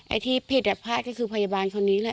ไอ้ที่ผิดอะพลาดก็คือพยาบาลคนนี้แหละ